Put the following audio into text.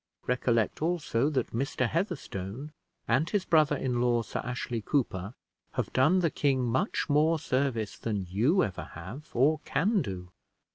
Recollect also that Mr. Heatherstone, and his brother in law, Sir Ashley Cooper, have done the king much more service than you ever have or can do.